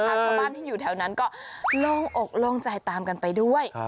ชาวบ้านที่อยู่แถวนั้นก็โล่งอกโล่งใจตามกันไปด้วย